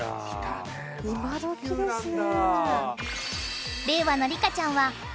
今どきですね。